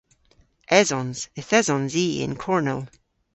Esons. Yth esons i ena y'n kornel.